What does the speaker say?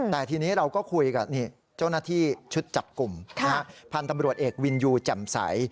แต่ทีนี้เราก็คุยกับเจ้าหน้าที่ชุดจับกลุ่มพันธุ์ตำรวจเอกวินยูแจ่มใส